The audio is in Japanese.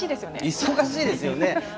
忙しいですね！